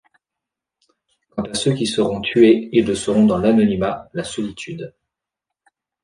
Quant à ceux qui seront tués, ils le seront dans l'anonymat, la solitude.